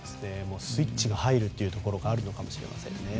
スイッチが入るところがあるのかもしれないですね。